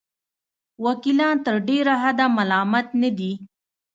وکیلان تر ډېره حده ملامت نه دي.